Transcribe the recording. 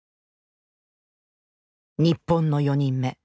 日本の４人目。